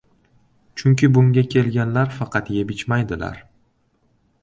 Chunki bunga kelganlar faqat yeb-ichmaydilar